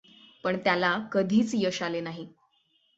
पण त्याला कधीच यश आले नाही.